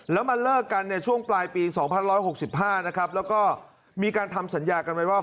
แล้วมาเลิกกันในช่วงปลายปี๒๑๖๕นะครับแล้วก็มีการทำสัญญากันไว้ว่า